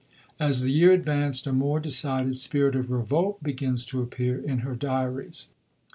As the year advanced a more decided spirit of revolt begins to appear in her diaries.